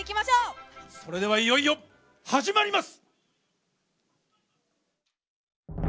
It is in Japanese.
それではいよいよ始まります！